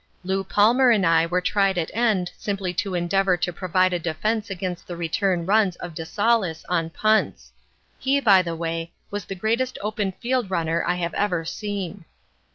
"Lew Palmer and I were tried at end simply to endeavor to provide a defense against the return runs of de Saulles on punts. He, by the way, was the greatest open field runner I have ever seen.